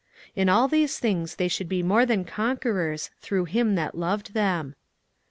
"In all these things they should be more than conquerors, through Him that loved them."